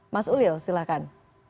mas ulil silahkan